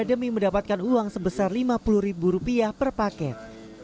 demi mendapatkan uang sebesar rp lima puluh per paket